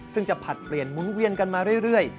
ซึ่งจะผลัดเปลี่ยนหมุนเวียนกันมาเรื่อย